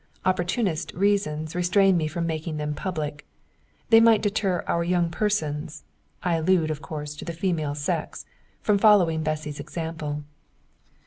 Opportunist reasons restrain me from making them public they might deter our young persons (I allude, of course, to the female sex) from following Bessy's example.